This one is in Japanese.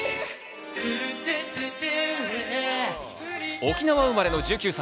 沖縄生まれの１９歳。